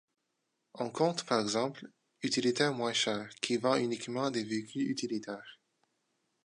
On compte par exemple, Utilitaire Moins Cher, qui vend uniquement des véhicules utilitaires.